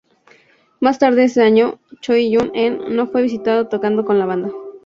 Más tarde ese año, Choi Yun-hee no fue vista tocando con la banda.